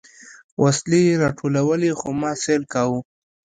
وسلې يې راټولولې خو ما سيل کاوه.